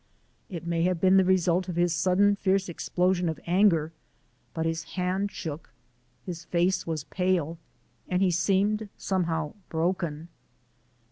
It may have been the result of his sudden fierce explosion of anger, but his hand shook, his face was pale, and he seemed somehow broken.